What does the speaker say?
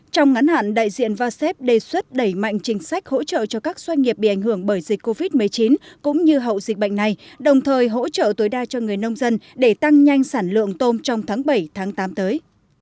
trong ngắn hạn đại diện vaseb đề xuất đẩy mạnh chính sách hỗ trợ cho các doanh nghiệp bị ảnh hưởng bởi dịch covid một mươi chín cũng như hậu dịch bệnh này đồng thời hỗ trợ tối đa cho người nông dân để tăng nhanh sản lượng tôm trong tháng bảy tám tới